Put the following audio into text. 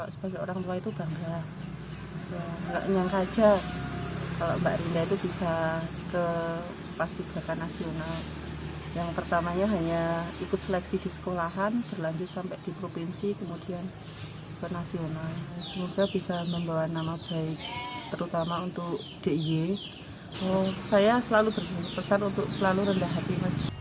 saya selalu tersesat untuk selalu rendah hati